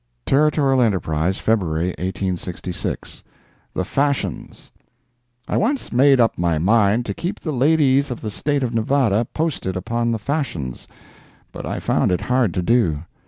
Territorial Enterprise, February 1866 THE FASHIONS I once made up my mind to keep the ladies of the State of Nevada posted upon the fashions, but I found it hard to do.